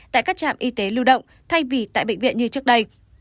tại các trạm y tế lưu động thay vì tại bệnh viện như trước đây